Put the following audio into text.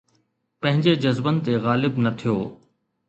پنهنجي جذبن تي غالب نه ٿيو